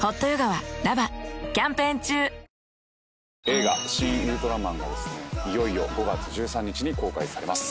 映画『シン・ウルトラマン』がいよいよ５月１３日に公開されます。